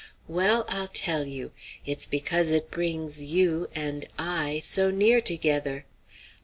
"Well, I'll tell you; it's because it brings U and I so near together."